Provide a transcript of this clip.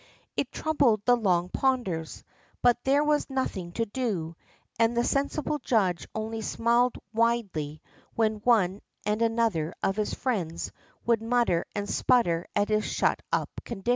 It troubled the Long Ponders, hut there was nothing to do, and the sensible judge only smiled widely when one and another of his friends would inutter and sputter at his shut up condition.